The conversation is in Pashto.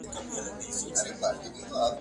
ورته بند یې کړله نس ته خپل ښکرونه !.